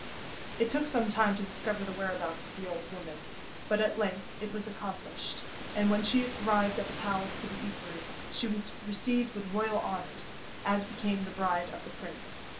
It took some time to discover the whereabouts of the old woman, but at length it was accomplished, and when she arrived at the palace with the equerry, she was received with royal honours, as became the bride of the prince.